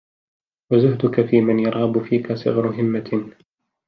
وَزُهْدُك فِيمَنْ يَرْغَبُ فِيك صِغَرُ هِمَّةٍ